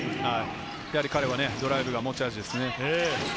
やはり彼はドライブが持ち味ですね。